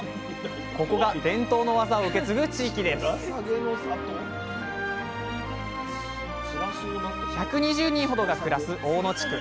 ここが伝統の技を受け継ぐ地域です１２０人ほどが暮らす大野地区。